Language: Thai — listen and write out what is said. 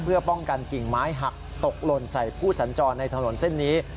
เพื่อป้องกันกิ่งไม้หักตกหล่นใส่ผู้สัญจรในถนนเส้นนี้